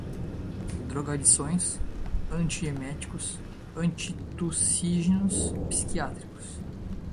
drogadições, antieméticos, antitussígenos, psiquiátricos